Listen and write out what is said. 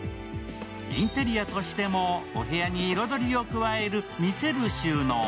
インテリアとしてもお部屋に彩りを加える見せる収入。